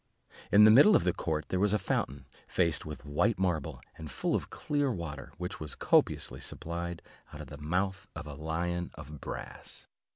In the middle of the court there was a fountain, faced with white marble, and full of clear water, which was copiously supplied out of the mouth of a lion of brass.